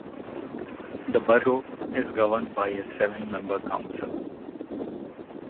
The borough is governed by a seven-member council.